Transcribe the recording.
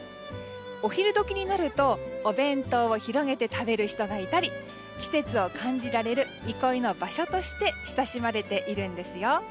お昼時になるとお弁当を広げて食べる人がいたり季節を感じられる憩いの場所として親しまれているんですよ。